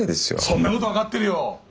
そんなこと分かってるよ！